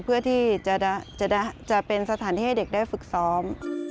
เพื่อที่จะเป็นสถานที่ให้เด็กได้ฝึกซ้อม